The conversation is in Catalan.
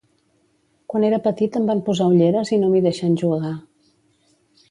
Quan era petit em van posar ulleres i no m'hi deixen jugar.